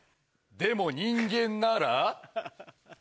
でも人間なら。